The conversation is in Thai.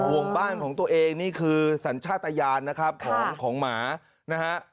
วงบ้านของตัวเองนี่คือสัญชาติยานนะครับของหมานะฮะ